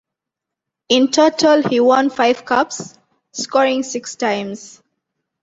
In total he won five caps, scoring six times.